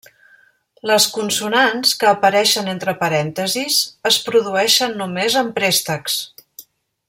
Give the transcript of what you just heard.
Les consonants que apareixen entre parèntesis es produeixen només en préstecs.